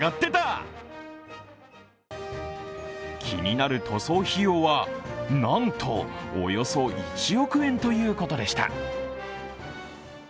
気になる塗装費用はなんとおよそ１億円ということでした。